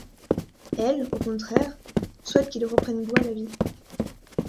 Elle, au contraire, souhaite qu'il reprenne goût à la vie.